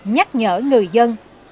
nhắc nhở người dân